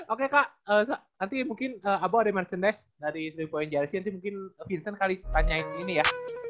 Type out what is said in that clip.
oke kak nanti mungkin abo ada merchandise dari tiga poin jrc nanti mungkin vincent kali tanyain ini ya